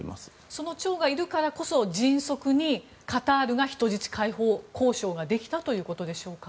その長がいるからこそ迅速にカタールが人質解放交渉ができたということでしょうか？